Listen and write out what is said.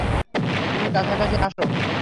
তুমি কাছাকাছি আছো?